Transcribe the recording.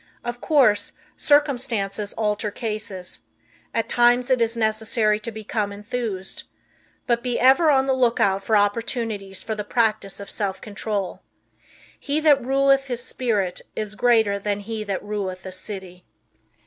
Of course, circumstances alter cases. At times it is necessary to become enthused. But be ever on the lookout for opportunities for the practice of self control. "He that ruleth his spirit is greater than he that ruleth a city."